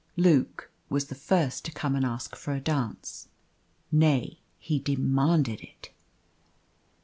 Luke was the first to come and ask for a dance nay, he demanded it.